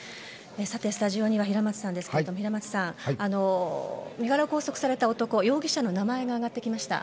さて、スタジオには平松さんですが平松さん身柄を拘束された男容疑者の名前が挙がってきました。